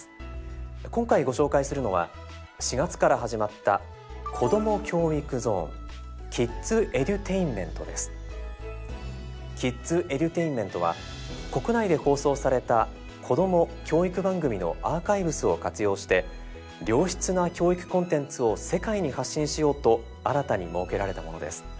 今回ご紹介するのは４月から始まった「ＫｉｄｓＥｄｕｔａｉｎｍｅｎｔ」は国内で放送されたこども・教育番組のアーカイブスを活用して良質な教育コンテンツを世界に発信しようと新たに設けられたものです。